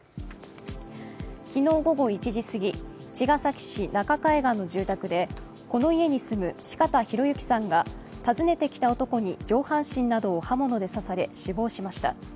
昨日午後１時すぎ、茅ヶ崎市中海岸の住宅でこの家に住む四方洋行さんが訪ねてきた男に上半身などを刃物で刺され死亡しました。